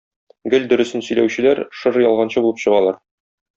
Гел "дөресен сөйләүчеләр" шыр ялганчы булып чыгарлар.